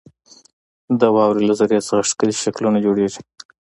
• د واورې له ذرې څخه ښکلي شکلونه جوړېږي.